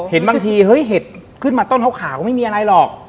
เห็นบางทีเฮ้ยเห็ดขึ้นมาต้นขาวไม่มีอะไรหรอก